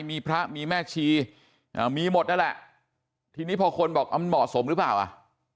มีพระมีแม่ชีอ่ามีหมดนั่นแหละทีนี้พอคนบอกมันเหมาะสมหรือเปล่าอ่ะ